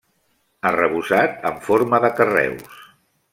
Arrebossat en forma de carreus.